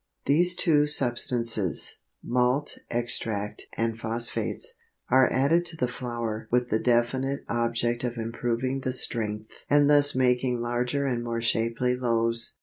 These two substances, malt extract and phosphates, are added to the flour with the definite object of improving the strength and thus making larger and more shapely loaves.